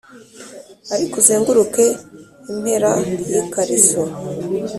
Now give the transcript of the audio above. ariko uzenguruke impera yikariso,